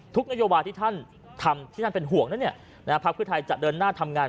ทุกนโยบาที่ท่านทำที่ท่านเป็นห่วงนะเนี่ยภาพเพื่อไทยจะเดินหน้าทำงาน